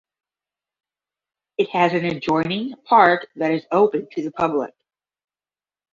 It has an adjoining park that is open to the public.